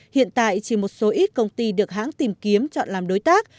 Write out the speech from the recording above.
hiện tại chỉ một số ít công ty được hãng tìm kiếm chọn làm đối tác